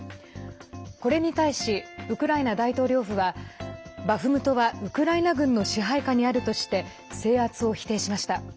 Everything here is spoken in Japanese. これに対しウクライナ大統領府はバフムトはウクライナ軍の支配下にあるとして制圧を否定しました。